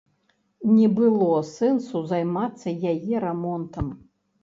Не было сэнсу займацца яе рамонтам.